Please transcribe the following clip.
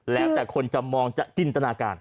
แล้วแต่คนจะมองจะจินตนาการ